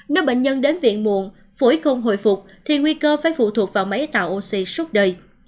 nếu bệnh nhân đến viện muộn phổi không hồi phục thì nguy cơ phải phụ thuộc vào máy tạo oxy suốt đời